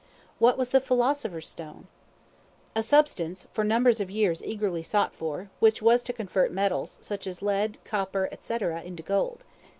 What was the Philosopher's Stone? A substance, for numbers of years eagerly sought for, which was to convert metals, such as lead, copper, &c. into gold.